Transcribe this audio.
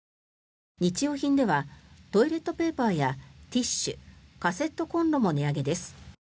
日用品ではトイレットペーパーやティッシュカセットコンロも値上げです。